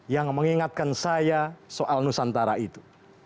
yang mengingatkan saya soal nusantara itu